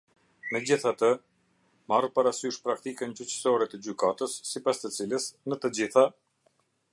Megjithatë, marrë parasysh praktikën gjyqësore të Gjykatës sipas të cilës, në të gjitha.